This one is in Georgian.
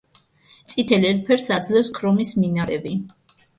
წითელ ელფერს აძლევს ქრომის მინარევი.